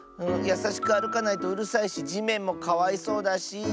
やさしくあるかないとうるさいしじめんもかわいそうだし。